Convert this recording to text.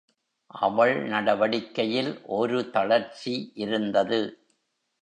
அவள் நடவடிக்கையில் ஒரு தளர்ச்சி இருந்தது.